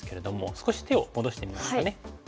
少し手を戻してみますかね。